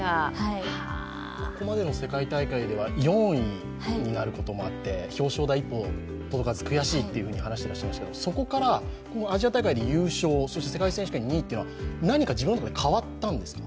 ここまでの世界大会では４位になることもあって表彰台に一歩届かず悔しいと話していらっしゃいましたが、そこからアジア大会で優勝、そして世界選手権２位っていうのは、何か自分の中で変わったんですか？